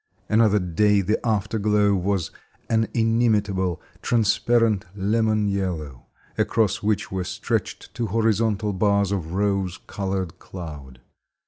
Another day the afterglow was an inimitable, transparent lemon yellow, across which were stretched two horizontal bars of rose colored cloud.